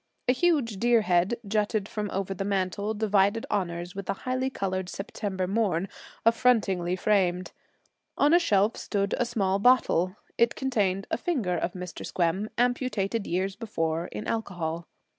A huge deerhead, jutting from over the mantel, divided honors with a highly colored September Morn, affrontingly framed. On a shelf stood a small bottle. It contained a finger of Mr. Squem, amputated years before, in alcohol.